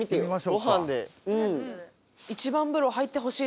ごはんで。